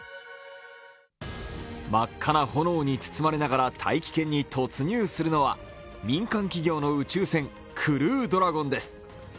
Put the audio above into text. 真っ赤な炎に包まれながら大気圏に突入するのは民間企業の宇宙船クルードラゴンです。